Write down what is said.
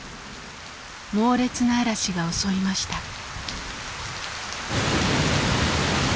猛烈な嵐が襲いました。